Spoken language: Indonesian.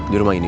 di rumah ini